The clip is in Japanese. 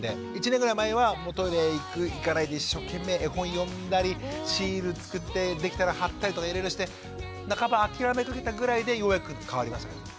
１年ぐらい前はトイレ行く行かないで一生懸命絵本読んだりシールつくってできたら貼ったりとかいろいろして半ば諦めかけたぐらいでようやく変わりましたけどね。